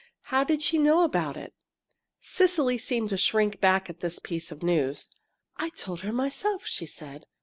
How did she know about it?" Cecily seemed to shrink back at this piece of news. "I told her, myself," she said.